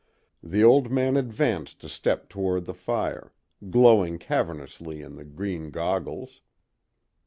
The old man advanced a step toward the fire, glowing cavernously in the green goggles.